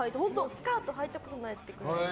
スカートはいたことないってくらい。